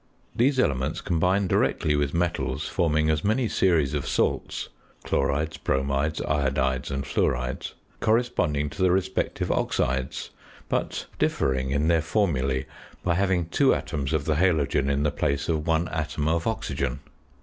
These elements combine directly with metals, forming as many series of salts (chlorides, bromides, iodides, and fluorides), corresponding to the respective oxides, but differing in their formulæ by having two atoms of the halogen in the place of one atom of oxygen.